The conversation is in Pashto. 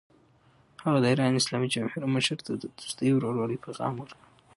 هغه د ایران اسلامي جمهوریت مشر ته د دوستۍ او ورورولۍ پیغام ورکړ.